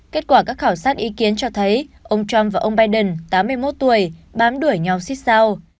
kết quả các khảo sát ý kiến cho thấy ông trump và ông biden tám mươi một tuổi bám đuổi nhóm siết sao